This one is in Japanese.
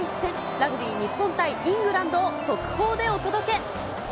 ラグビー日本対イングランドを速報でお届け。